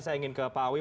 saya ingin ke pak awi